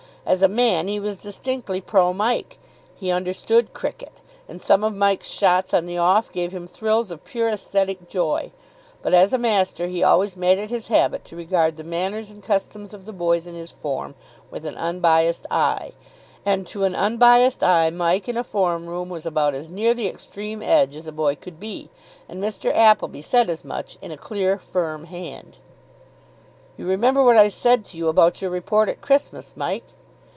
As a man he was distinctly pro Mike. He understood cricket, and some of Mike's shots on the off gave him thrills of pure aesthetic joy; but as a master he always made it his habit to regard the manners and customs of the boys in his form with an unbiased eye, and to an unbiased eye Mike in a form room was about as near the extreme edge as a boy could be, and Mr. Appleby said as much in a clear firm hand. "You remember what I said to you about your report at Christmas, Mike?"